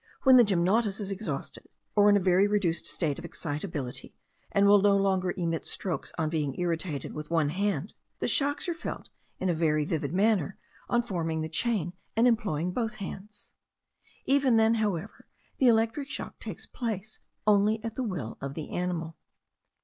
When the gymnotus is exhausted, or in a very reduced state of excitability, and will no longer emit strokes on being irritated with one hand, the shocks are felt in a very vivid manner, on forming the chain, and employing both hands. Even then, however, the electric shock takes place only at the will of the animal.